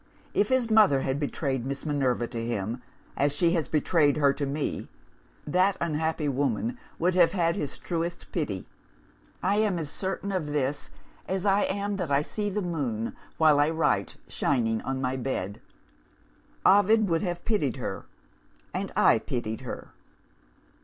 If his mother had betrayed Miss Minerva to him, as she has betrayed her to me, that unhappy woman would have had his truest pity. I am as certain of this, as I am that I see the moon, while I write, shining on my bed. Ovid would have pitied her. And I pitied her.